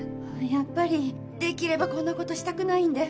やっぱりできればこんなことしたくないんで。